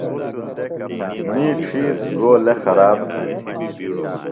می ڇِھیتر گو لےۡ خراب تِھین۔